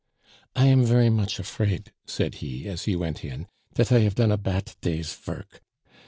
"I am ver' much afrait," said he, as he went in, "dat I hafe done a bat day's vork.